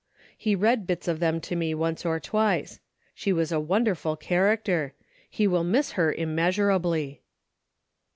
He read bits of them to me once or twice. She was a wonderful character. He will miss her immeasurably."